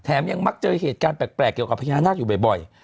ยังมักเจอเหตุการณ์แปลกเกี่ยวกับพญานาคอยู่บ่อย